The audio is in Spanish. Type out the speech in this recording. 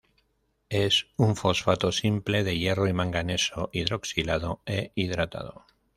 Es un fosfato simple de hierro y manganeso, hidroxilado e hidratado.